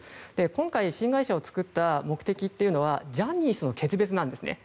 今回、新会社を作った目的というのはジャニーズとの決別なんですね。